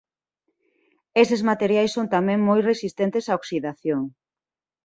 Estes materiais son tamén moi resistentes á oxidación.